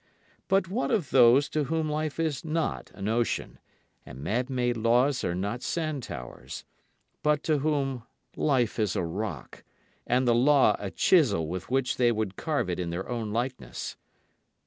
But what of those to whom life is not an ocean, and man made laws are not sand towers, But to whom life is a rock, and the law a chisel with which they would carve it in their own likeness?